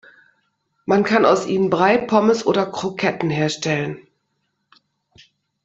Man kann aus ihnen Brei, Pommes oder Kroketten herstellen.